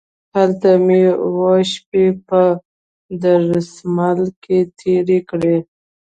هلته مې اووه شپې په درمسال کې تېرې کړې.